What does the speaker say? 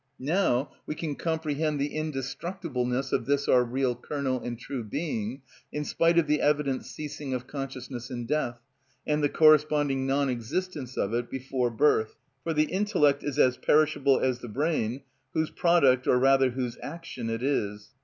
Now we can comprehend the indestructibleness of this our real kernel and true being, in spite of the evident ceasing of consciousness in death, and the corresponding non existence of it before birth. For the intellect is as perishable as the brain, whose product or rather whose action it is.